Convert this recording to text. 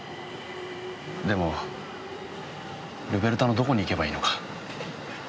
でもルベルタのどこに行けばいいのか。